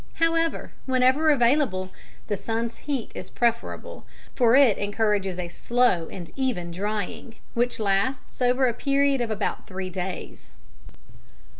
However, whenever available, the sun's heat is preferable, for it encourages a slow and even drying, which lasts over a period of about three days.